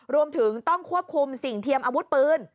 รวมถึงต้องควบคุมสิ่งเทียมอาวุธปืน